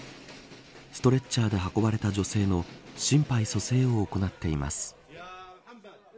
ストレッチャーで運ばれた女性の心肺蘇生を行っています。